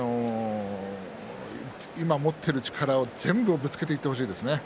今、持っている力を全部ぶつけていってほしいですね。